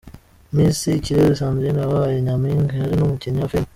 Miss Ikirezi Sandrine wabaye nyampinga yari n’ umukinnyi wa filime.